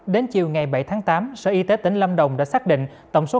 đến chiều ngày bảy tháng tám sở y tế tỉnh lâm đồng đã xác định tổng số